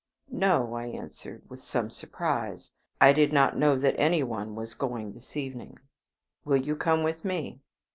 "No," I answered, with some surprise. "I did not know that any one was going this evening." "Will you come with me?"